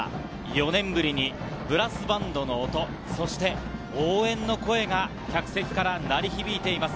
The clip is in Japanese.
４年ぶりにブラスバンドの音、そして応援の声が客席から鳴り響いています。